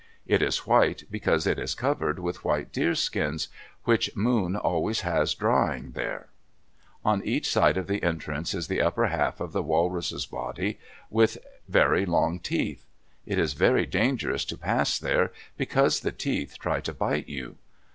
It is white because it is covered with white deerskins, which Moon always has drying there. On each side of the entrance is the upper half of a walrus's body, with very long teeth. It is very dangerous to pass here, because the teeth try to bite you.